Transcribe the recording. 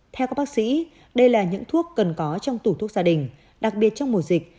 theo các bác sĩ đây là những thuốc cần có trong tủ thuốc gia đình đặc biệt trong mùa dịch